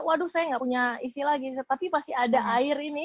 waduh saya nggak punya isi lagi tapi pasti ada air ini